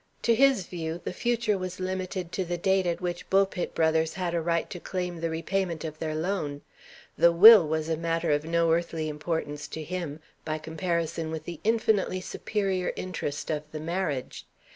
To his view, the future was limited to the date at which Bulpit Brothers had a right to claim the repayment of their loan. The Will was a matter of no earthly importance to him, by comparison with the infinitely superior interest of the Marriage.